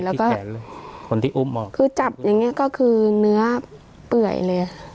แล้วก็คนที่อุ้มออกคือจับอย่างเงี้ยก็คือเนื้อเปื่อยเลย